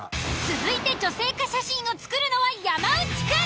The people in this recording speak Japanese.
続いて女性化写真を作るのは山内くん。